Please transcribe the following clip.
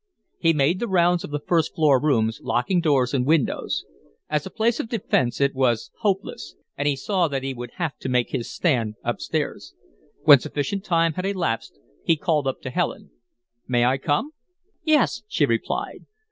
He made the rounds of the first floor rooms, locking doors and windows. As a place of defence it was hopeless, and he saw that he would have to make his stand up stairs. When sufficient time had elapsed he called up to Helen: "May I come?" "Yes," she replied.